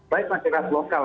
baik masyarakat lokal